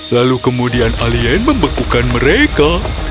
lalu kemudian alien membekukan mereka